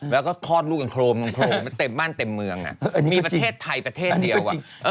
แล้วก็คลอดลูกกันโครมเต็มบ้านเต็มเมืองมีประเทศไทยประเทศเดียว